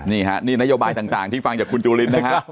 นี่ฮะนี่นโยบายต่างที่ฟังจากคุณจุลินนะฮะ